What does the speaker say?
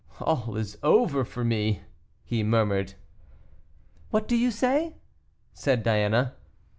"All is over for me," he murmured. "What do you say?" said Diana.